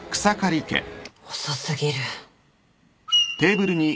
遅過ぎる。